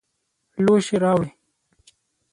لوښي راوړئ